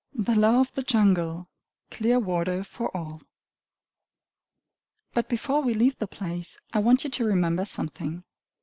The Law of the Jungle Clear Water for All But before we leave the place, I want you to remember something.